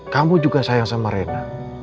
kamu juga sayang sama mereka